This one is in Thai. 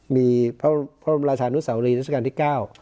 มีพระบรมราชานุสาวรีรัชกาลที่๙